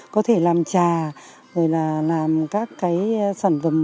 có thể làm trà làm các sản phẩm